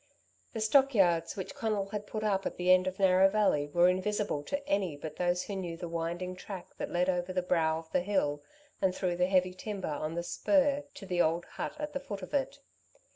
The stock yards which Conal had put up at the end of Narrow Valley were invisible to any but those who knew the winding track that led over the brow of the hill and through the heavy timber on the spur, to the old hut at the foot of it.